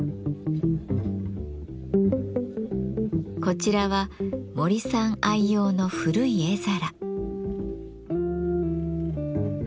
こちらは森さん愛用の古い絵皿。